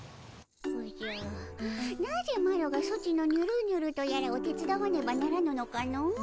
おじゃなぜマロがソチのニュルニュルとやらを手伝わねばならぬのかの。